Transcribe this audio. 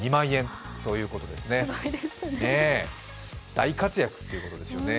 大活躍ということですよね。